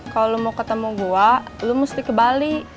kalau lo mau ketemu gue lo mesti ke bali